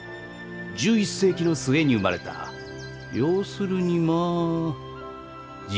１１世紀の末に生まれた要するにまあじじいさ。